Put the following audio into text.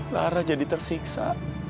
lara jadi tersiksa